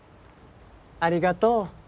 ありがとう